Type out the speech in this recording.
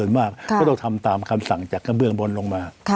และก็ต้องตามคำสั่งนักการเมืองลงไป